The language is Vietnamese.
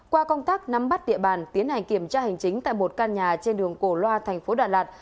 qua công tác nắm bắt địa bàn tiến hành kiểm tra hành chính tại một căn nhà trên đường cổ loa thành phố đà lạt